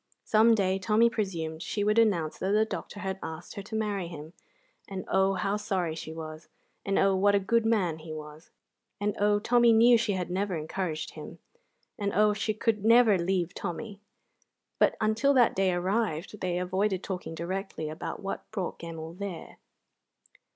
Some day, Tommy presumed, she would announce that the doctor had asked her to marry him; and oh, how sorry she was; and oh, what a good man he was; and oh, Tommy knew she had never encouraged him; and oh, she could never leave Tommy! But until that day arrived they avoided talking directly about what brought Gemmell there.